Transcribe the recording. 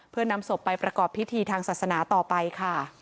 เพื่อนำศพไปประกอบพิธีทางศาสนาต่อไปค่ะ